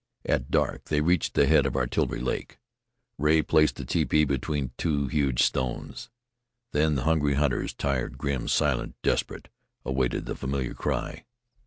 At dark they reached the head of Artillery Lake. Rea placed the tepee between two huge stones. Then the hungry hunters, tired, grim, silent, desperate, awaited the familiar cry.